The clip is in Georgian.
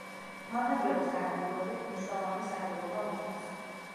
მავნებლების განადგურებით მნიშვნელოვანი სარგებლობა მოაქვს.